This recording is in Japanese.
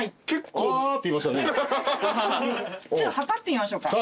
ちょっと量ってみましょうか。